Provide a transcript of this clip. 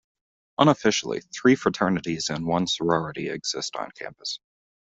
Unofficially, three fraternities and one sorority exist on campus.